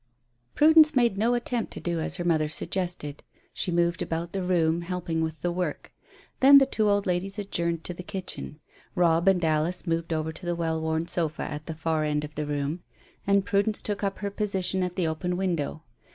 Prudence made no attempt to do as her mother suggested. She moved about the room, helping with the work. Then the two old ladies adjourned to the kitchen. Robb and Alice had moved over to the well worn sofa at the far end of the room, and Prudence took up her position at the open window.